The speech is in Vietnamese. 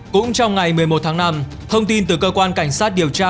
cũng trong ngày một mươi một tháng năm thông tin từ cơ quan cảnh sát điều tra